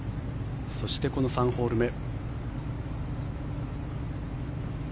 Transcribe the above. そして、この３ホール目。